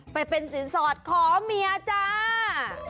ไปเป็นสินสอดขอเมียจ้า